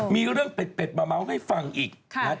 มีเรื่องเป็ดมาเมาท์ให้ฟังอีก